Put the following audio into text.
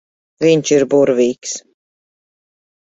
Viņš ir burvīgs.